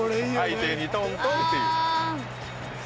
相手にトントンっていう。